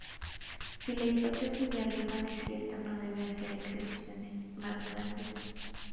Si la hipótesis de Riemann es cierta, no debe haber excepciones más grandes.